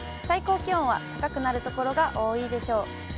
最高気温は高くなる所が多いでしょう。